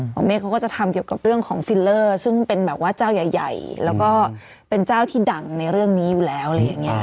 เมฆเขาก็จะทำเกี่ยวกับเรื่องของฟิลเลอร์ซึ่งเป็นแบบว่าเจ้าใหญ่แล้วก็เป็นเจ้าที่ดังในเรื่องนี้อยู่แล้วอะไรอย่างนี้